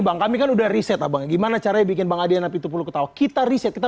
bang kami kan udah riset abang gimana caranya bikin bang adrian api tu puluh ketawa kita riset